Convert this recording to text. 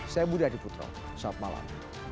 saya budi adiputro selamat malam